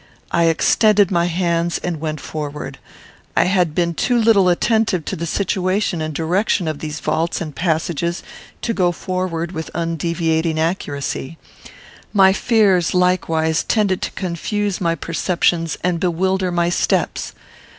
I extended my hands and went forward. I had been too little attentive to the situation and direction of these vaults and passages, to go forward with undeviating accuracy. My fears likewise tended to confuse my perceptions and bewilder my steps.